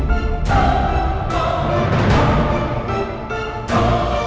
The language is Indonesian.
ternyata kamu orang yang